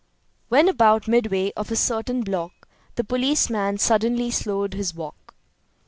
When about midway of a certain block the policeman suddenly slowed his walk.